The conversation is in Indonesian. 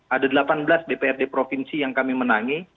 ada delapan belas dprd provinsi yang kami menangi